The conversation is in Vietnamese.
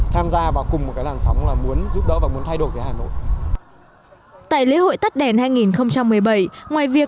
hà nội bầu cựu thái tổ chí nghệ